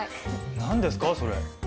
何ですかそれ？